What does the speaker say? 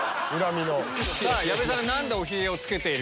さぁ矢部さんが何でおヒゲをつけているか。